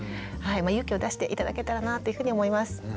勇気を出して頂けたらなというふうに思います。